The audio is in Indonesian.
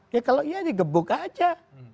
ya kalau iya di gebuk aja